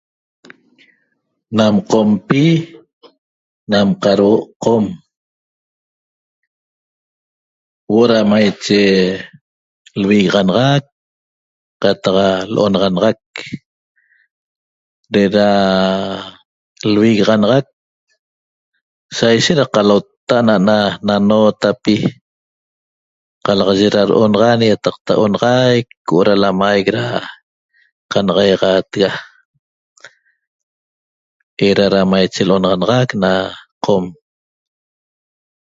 Nam qompi nam qadhuo' qom huo'o da maiche lvinaxanaxac qataq l'onaxanaxac de'eda lvinaxanaxac sa ishet da qalota na ana lanotaapi qalaxaye da do'onaxan yataqta 'onaxaic da huo'o da lamaic qanaxayatega 'eda da maiche do'onaxanaxac na qom